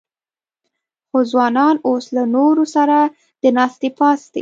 خو ځوانان اوس له نورو سره د ناستې پاستې